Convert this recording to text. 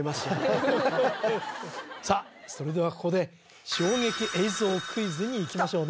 それではここで衝撃映像クイズにいきましょうね